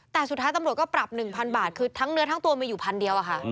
แต่สุดท้ายตำรวจก็ปรับ๑๐๐บาทคือทั้งเนื้อทั้งตัวมีอยู่พันเดียวอะค่ะ